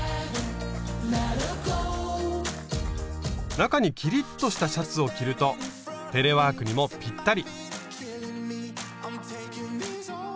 中にキリッとしたシャツを着るとテレワークにもぴったり。